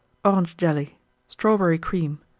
Orange Jelly. Strawberry Cream.